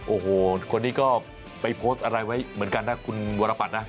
โอ้โหคนนี้ก็ไปโพสต์อะไรไว้เหมือนกันนะคุณวรปัตนะ